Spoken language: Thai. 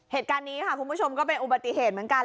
เหตุการณ์นี้ค่ะคุณผู้ชมก็เป็นอุบัติเหตุเหมือนกัน